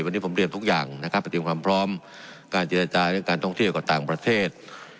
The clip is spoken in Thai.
วันนี้ผมเรียนทุกอย่างนะครับไปเตรียมความพร้อมการเจรจาเรื่องการท่องเที่ยวกับต่างประเทศ